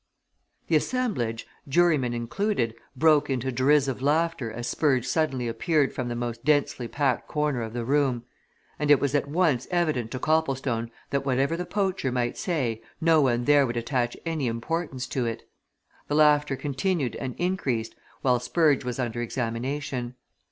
The assemblage, jurymen included, broke into derisive laughter as Spurge suddenly appeared from the most densely packed corner of the room, and it was at once evident to Copplestone that whatever the poacher might say, no one there would attach any importance to it. The laughter continued and increased while Spurge was under examination.